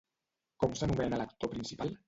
Com s'anomena l'actor principal?